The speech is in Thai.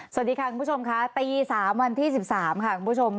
สวัสดีค่ะคุณผู้ชมค่ะตี๓วันที่๑๓ค่ะคุณผู้ชม